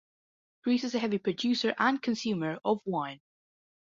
Greece is a heavy producer and consumer of wine.